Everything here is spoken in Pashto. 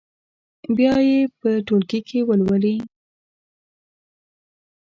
بیا دې یې په ټولګي کې ولولي.